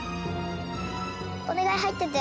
おねがいはいってて！